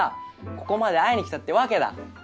ここまで会いに来たってわけだ。